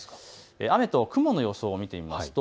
雨と雲の予想を見てみます。